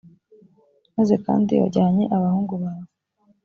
maze kandi wajyanye abahungu bawe